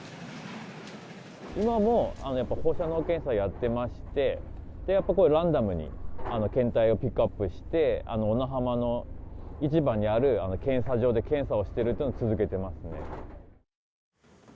今も放射能検査をやってまして、やっぱりランダムに検体をピックアップして、小名浜の市場にある検査場で検査をしてるっていうのを続けてます